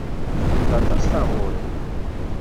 Iḥemmel aṭas taɣuri.